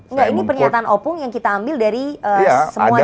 enggak ini pernyataan opung yang kita ambil dari semua jejak digital